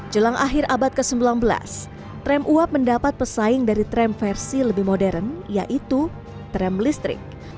jelang akhir abad ke sembilan belas rem uap mendapat pesaing dari tram versi lebih modern yaitu tram listrik